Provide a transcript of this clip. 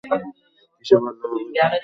কিসে ভাল হবে, তা প্রভুই জানেন।